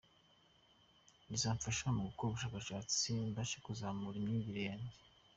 Izamfasha mu gukora ubushakashatsi mbashe kuzamura imyigire yanjye.